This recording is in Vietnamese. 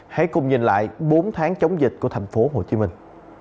hãy cùng nhìn lại bốn tháng chống dịch của thành phố hồ chí minh